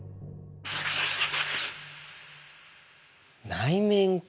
内面か。